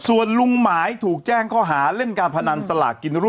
ส่วนลุงหมายถูกแจ้งข้อหาเล่นการพนันสลากกินรั่